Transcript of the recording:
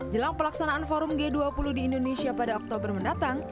jelang pelaksanaan forum g dua puluh di indonesia pada oktober mendatang